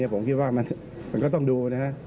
ผมคิดว่ามันก็ต้องดูนะครับ